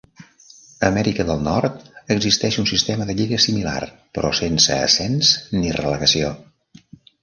A Amèrica del Nord, existeix un sistema de lliga similar, però sense ascens ni relegació.